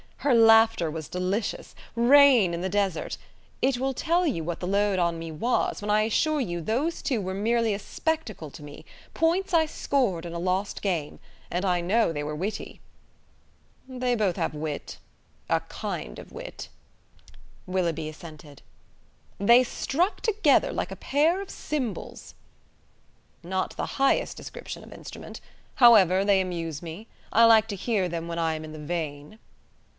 Her laughter was delicious; rain in the desert! It will tell you what the load on me was, when I assure you those two were merely a spectacle to me points I scored in a lost game. And I know they were witty." "They both have wit; a kind of wit," Willoughby assented. "They struck together like a pair of cymbals." "Not the highest description of instrument. However, they amuse me. I like to hear them when I am in the vein."